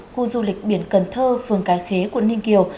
khu du lịch biển cần thơ phường cái khế quận ninh kiều